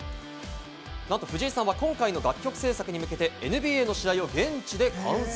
藤井さんは今回の楽曲制作に向けてＮＢＡの試合を現地で観戦。